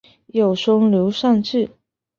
有兄刘尚质。